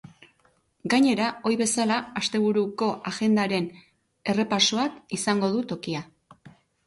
Gainera, ohi bezala, asteburuko agendaren errepasoak izango du tokia.